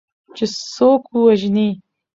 چې څوک ووژني